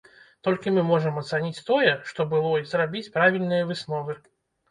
Толькі мы можам ацаніць тое, што было і зрабіць правільныя высновы.